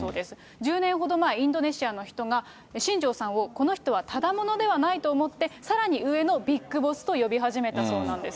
１０年ほど前、インドネシアの人が、新庄さんをこの人はただ者ではないと思って、さらに上のビッグボスと呼び始めたそうなんです。